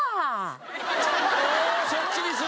そっちにする。